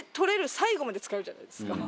最後まで使えるじゃないですか。